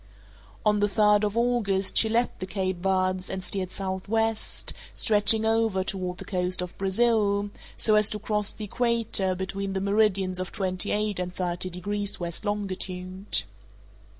On the third of August, she left the Cape Verds and steered southwest, stretching over toward the coast of Brazil, so as to cross the equator between the meridians of twenty eight and thirty degrees west longitude.